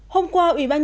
hôm qua ubnd tỉnh hà nội